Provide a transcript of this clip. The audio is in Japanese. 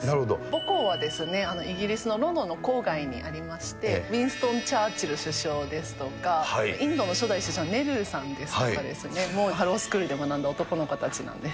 本校はイギリスのロンドンの郊外にありまして、ウィンストン・チャーチル首相ですとか、インドの初代首相、ネルーさんですとかですね、もうハロウスクールで学んだ男の子たちなんです。